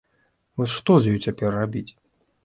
Вось што з ёй цяпер рабіць?